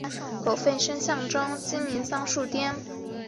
胸篮并没有钩突。